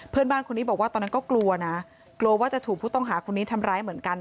เพื่อนบ้านคนนี้บอกว่าตอนนั้นก็กลัวนะกลัวว่าจะถูกผู้ต้องหาคนนี้ทำร้ายเหมือนกัน